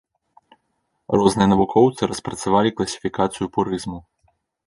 Розныя навукоўцы распрацавалі класіфікацыю пурызму.